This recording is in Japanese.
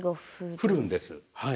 降るんです。